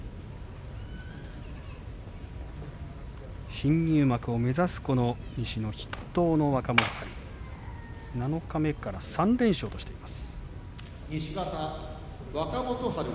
新入幕を目指す西の筆頭の若元春七日目から３連勝としています。